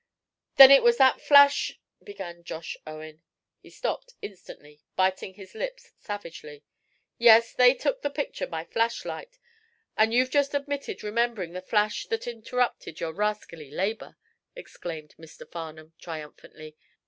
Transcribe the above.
"Then it was that flash " began Josh Owen. He stopped instantly, biting his lips savagely. "Yes, they took the picture by flashlight, and you've just admitted remembering the flash that interrupted your rascally labor," exclaimed Mr. Farnum, triumphantly.